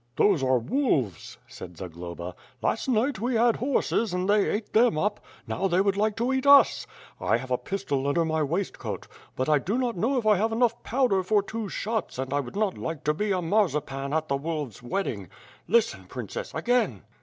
"Those are wolves," said Zagloba; *1ast night we had horses, and they ate them up; now they would like to eat us. I have a pistol under my waistcoat, but I do not know if I have enough powder for two efhots and I would not like to be a marcepan at the wolves' wedding. Listen, princess — again!"